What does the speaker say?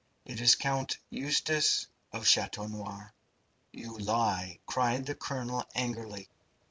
"It is Count Eustace of Chateau Noir." "You lie!" cried the colonel, angrily.